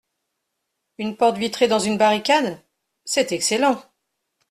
Une porte vitrée dans une barricade, c'est excellent.